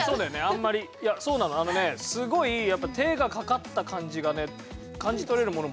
あんまりいやそうなのあのねすごいやっぱ手がかかった感じがね感じ取れるものもあんの。